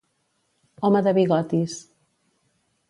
Home de bigotis.